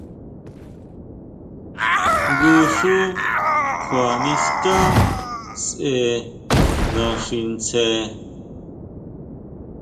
Jngu xú kjua niská sʼe naxi ntsje.